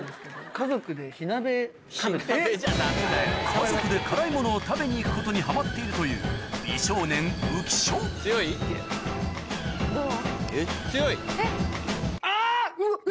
家族で辛いものを食べに行くことにはまっているというどう？